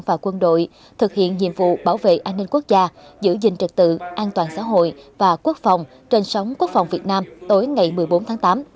và quân đội thực hiện nhiệm vụ bảo vệ an ninh quốc gia giữ gìn trật tự an toàn xã hội và quốc phòng trên sóng quốc phòng việt nam tối ngày một mươi bốn tháng tám